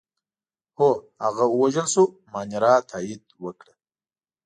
هو، هغه ووژل شو، مانیرا تایید وکړه.